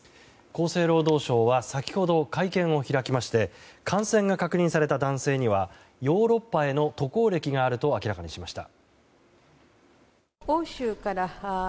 厚生労働省は先ほど会見を開きまして感染が確認された男性にはヨーロッパへの渡航歴があると明らかにしました。